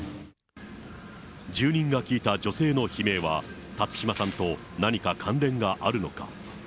住人が聞いた女性の悲鳴は、辰島さんと何か関連があるのか。